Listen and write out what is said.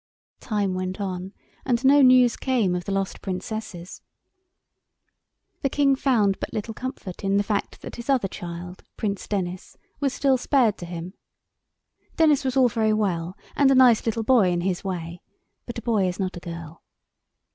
Time went on and no news came of the lost Princesses. The King found but little comfort in the fact that his other child, Prince Denis, was still spared to him. Denis was all very well and a nice little boy in his way, but a boy is not a girl.